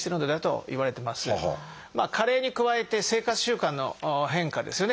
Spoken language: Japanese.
加齢に加えて生活習慣の変化ですよね。